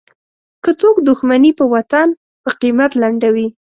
که څوک دوښمني په وطن په قیمت لنډوي.